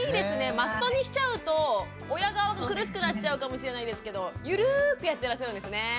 マストにしちゃうと親側が苦しくなっちゃうかもしれないですけどゆるくやってらっしゃるんですね。